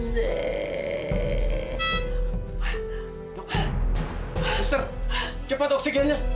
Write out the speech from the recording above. dokter cepat oksigennya